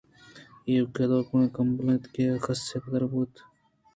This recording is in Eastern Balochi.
ایوک ءَ دوزِبریں کمبل اِت اَنت کہ کسےءِ پِردیگ ءُباپ دیگ ءِ کار ءَ نیاتک اَنت